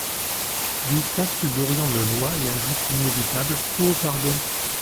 Jusqu’à ce que Dorian me voie et ajoute l’inévitable :— Oh, pardon.